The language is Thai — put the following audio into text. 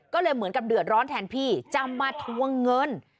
ก็เลยเหมือนกับเดือดร้อนแทนพี่จะมาทวงเงิน